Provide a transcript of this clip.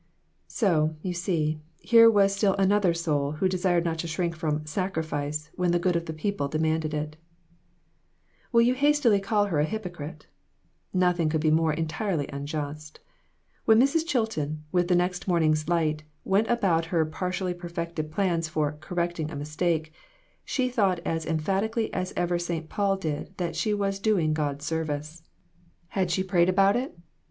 So, you see, here was still another soul who desired not to shrink from " sacrifice" when the good of the people demanded it ! Will you hastily call her a hypocrite ? Nothing could be more entirely unjust. When Mrs. Chilton, with the next morning's light, went about her partially perfected plans for "correcting a mistake," she thought as emphati cally as ever St. Paul did, that she was " doing God service." READY TO MAKE SACRIFICES. 255 Had she prayed about it